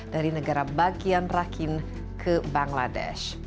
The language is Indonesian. dari negara bagian rakin ke bangladesh